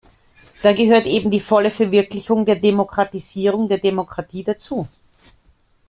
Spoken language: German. Da gehört eben die volle Verwirklichung der Demokratisierung, der Demokratie, dazu.